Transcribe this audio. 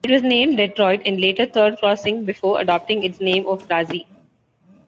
It was named Detroit and later Third Crossing before adopting its name of Frazee.